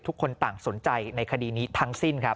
ทุกคนต่างสนใจในคดีนี้ทั้งสิ้นครับ